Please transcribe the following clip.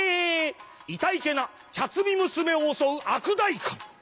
いたいけな茶摘み娘を襲う悪代官。